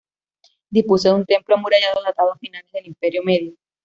Dispuso de un templo amurallado datado a finales del Imperio Medio.